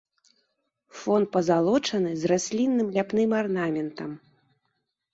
Фон пазалочаны з раслінным ляпным арнаментам.